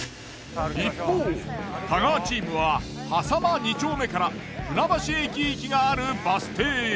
一方太川チームは飯山満２丁目から船橋駅行きがあるバス停へ。